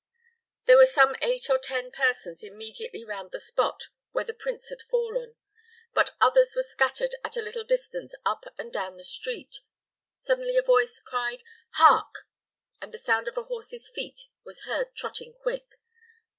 There were some eight or ten persons immediately round the spot where the prince had fallen; but others were scattered at a little distance up and down the street. Suddenly a voice cried, "Hark!" and the sound of a horse's feet was heard trotting quick.